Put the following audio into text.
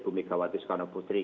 bumi gawatis karnaputri